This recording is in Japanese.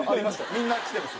みんな来てます。